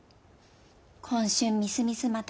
今春みすみすまた過ぐ。